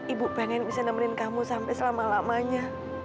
ibu pengen bisa nemenin kamu sampai selama lamanya